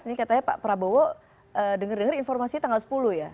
ini katanya pak prabowo denger denger informasi tanggal sepuluh ya